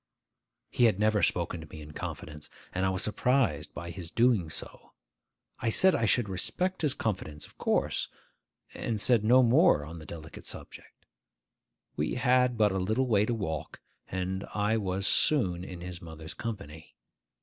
He had never spoken to me in confidence, and I was surprised by his doing so. I said I should respect his confidence, of course, and said no more on the delicate subject. We had but a little way to walk, and I was soon in his mother's company.